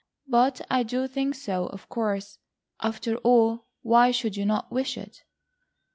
"But I do think so of course. After all why should you not wish it?"